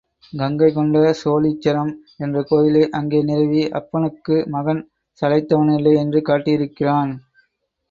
கங்கை கொண்ட சோழீச்சரம் என்ற கோயிலை அங்கே நிறுவி, அப்பனுக்கு மகன் சளைத்தவனில்லை என்று காட்டியிருக்கிறான்.